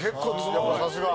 やっぱさすが。